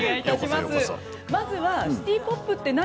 まずはシティ・ポップって何？